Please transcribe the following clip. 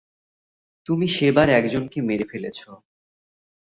তুমি সেবার একজনকে মেরে ফেলেছ।